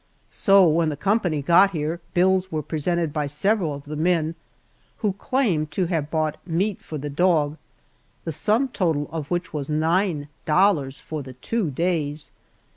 So, when the company got here, bills were presented by several of the men, who claimed to have bought meat for the dog, the sum total of which was nine dollars for the two days!